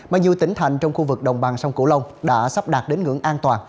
bao nhiêu tỉnh thành trong khu vực đồng bằng sông cổ long đã sắp đạt đến ngưỡng an toàn